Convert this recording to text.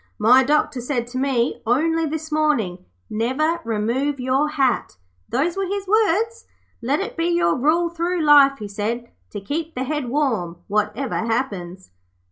My doctor said to me only this morning, "Never remove your hat." Those were his words. "Let it be your rule through life," he said, "to keep the head warm, whatever happens."'